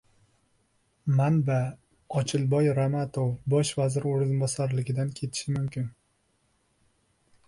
Manba: Ochilboy Ramatov bosh vazir o‘rinbosarligidan ketishi mumkin